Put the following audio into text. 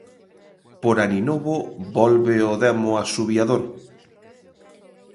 Por aninovo volve o Demo Asubiador.